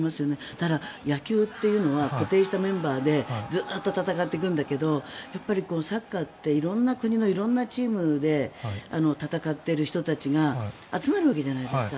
ただ、野球というのは固定したメンバーでずっと戦っていくんだけどサッカーって色んな国の色んなチームで戦っている人たちが集まるわけじゃないですか。